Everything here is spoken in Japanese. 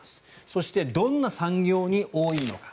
そして、どんな産業に多いのか。